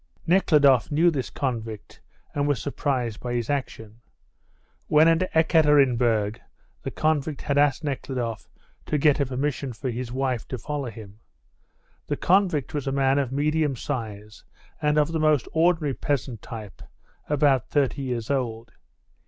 Nekhludoff knew this convict, and was surprised by his action. When in Ekaterinburg the convict had asked Nekhludoff to get a permission for his wife to follow him. The convict was a man of medium size and of the most ordinary peasant type, about thirty years old.